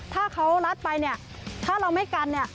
ถ้าเขารัดไปถ้าเราไม่กัน